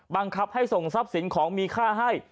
บังคับให้ส่งทรัพย์สินของมีค่าให้